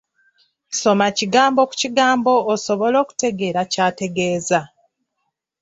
Soma kigambo ku kigambo osobole okutegeera ky'ategeeza.